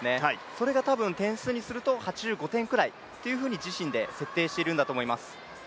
それがたぶん点数にすると８５点くらいと自身で設定しているんだと思います。